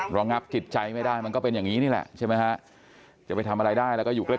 ระงับจิตใจไม่ได้มันก็เป็นอย่างนี้นี่แหละใช่ไหมฮะจะไปทำอะไรได้แล้วก็อยู่ใกล้